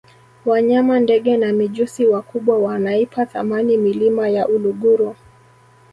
wanyama ndege na mijusi wakubwa wanaipa thamani milima ya uluguru